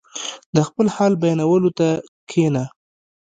• د خپل حال بیانولو ته کښېنه.